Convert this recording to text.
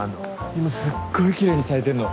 今すっごいきれいに咲いてんの。